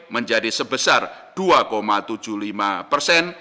menjadi sebesar dua tujuh puluh lima persen